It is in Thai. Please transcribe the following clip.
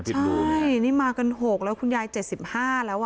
พิษดูใช่นี่มากันหกแล้วคุณยายเจ็ดสิบห้าแล้วอ่ะ